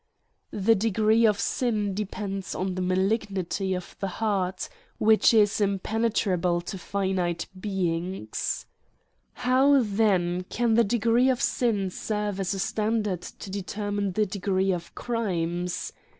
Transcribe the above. The degree of sin depends on the malignity of the heart, which is impenetrable to finite beings. . How then can the degree of sin serve as a stand CRIMES AND PUNISHMENTS. 35 ard to determine the degree of crimes